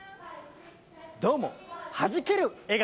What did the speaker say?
どうも、はじける笑顔。